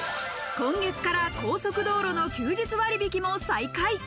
今月から高速道路の休日割引も再開。